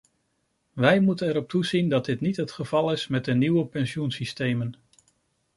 Wij moeten erop toezien dat dit niet het geval is met de nieuwe pensioensystemen.